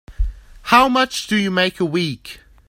How much do you make a week?